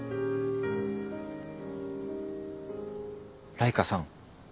ライカさん。